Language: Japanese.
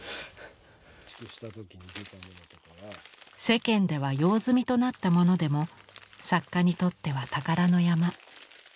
世間では用済みとなったものでも作家にとっては宝の山。